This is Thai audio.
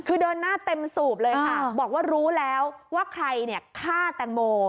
คือเดินหน้าเต็มสูบเลยค่ะบอกว่ารู้แล้วว่าใครเนี่ยฆ่าแตงโม